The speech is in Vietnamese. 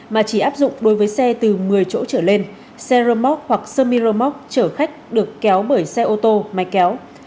mà chỉ áp dụng đối với xe từ một mươi chỗ trở lên xe remote hoặc semi remote trở khách được kéo bởi xe ô tô máy kéo